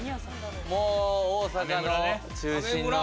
もう大阪の中心の。